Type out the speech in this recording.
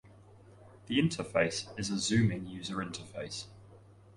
The interface is a zooming user interface.